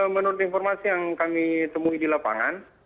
menurut informasi yang kami temui di lapangan